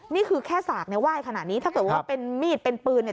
นี่คือแค่สากเนี่ยไหว้ขนาดนี้ถ้าเกิดว่าเป็นมีดเป็นปืนเนี่ย